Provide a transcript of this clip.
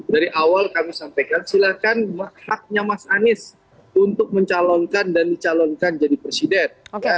dari awal kami sampaikan silakan haknya mas anies untuk mencalonkan dan dicalonkan jadi presiden